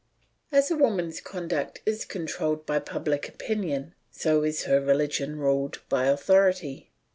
As a woman's conduct is controlled by public opinion, so is her religion ruled by authority.